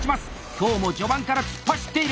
今日も序盤から突っ走っている！